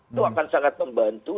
itu akan sangat membantu